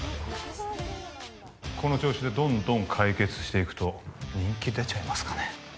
この調子でどんどん解決していくと、人気出ちゃいますかね。